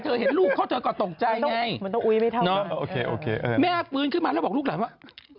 เห็นลูกเขาเธอก็ตกใจไงแม่ฟื้นขึ้นมาแล้วบอกลูกหลานว่า